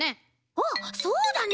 あっそうだね。